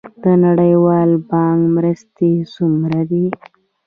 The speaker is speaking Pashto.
د نړیوال بانک مرستې څومره دي؟